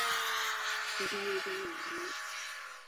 他们察觉弗雷德表现不自然。